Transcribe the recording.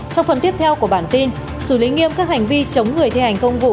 trong phần tiếp theo của bản tin xử lý nghiêm các hành vi chống người thi hành công vụ